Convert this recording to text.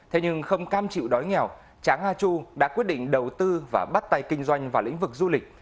thế nhưng không cam chịu đói nghèo tráng a chu đã quyết định đầu tư và bắt tay kinh doanh vào lĩnh vực du lịch